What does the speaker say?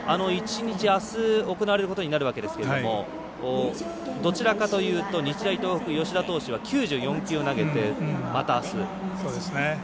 あす、行われることになりますがどちらかというと日大東北吉田投手は９４球投げてまた、あす。